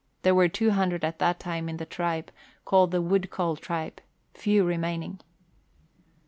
There were 200 at that time in the tribe, called the Woodcole tribe ; few remaining.